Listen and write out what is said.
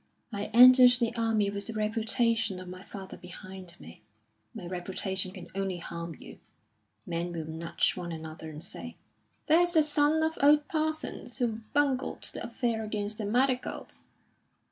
"I entered the army with the reputation of my father behind me; my reputation can only harm you. Men will nudge one another and say, 'There's the son of old Parsons, who bungled the affair against the Madda Khels.'